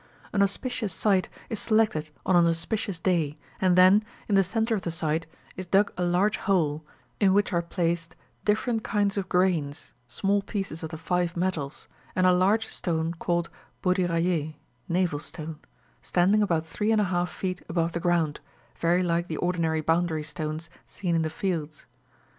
An auspicious site is selected on an auspicious day, and then, in the centre of the site, is dug a large hole, in which are placed different kinds of grains, small pieces of the five metals, and a large stone called boddu rayée (navel stone), standing about three and a half feet above the ground, very like the ordinary boundary stones seen in the fields.